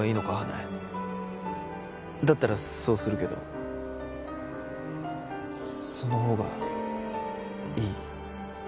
花枝だったらそうするけどその方がいい？